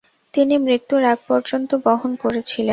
তিনি মৃত্যুর আগপর্যন্ত বহন করেছিলেন।